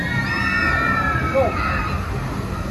Lḥumt.